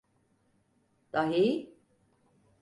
Dahi…